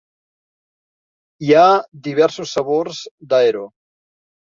Hi ha diversos sabors d'Aero.